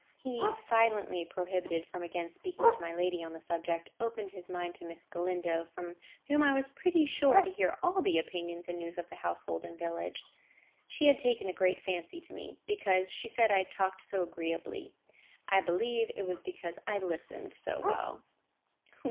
He, silently prohibited from again speaking to my lady on the subject, opened his mind to Miss Galindo, from whom I was pretty sure to hear all the opinions and news of the household and village. She had taken a great fancy to me, because she said I talked so agreeably. I believe it was because I listened so well.